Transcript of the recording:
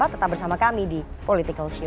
tetap bersama kami di political show